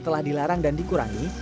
telah dilarang dan dikurangi